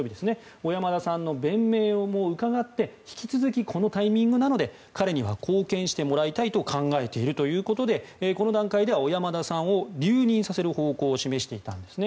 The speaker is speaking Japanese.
小山田さんの弁明を伺って引き続き、このタイミングなので彼には貢献してもらいたいと考えているということでこの段階では小山田さんを留任させる方向で示していたんですね。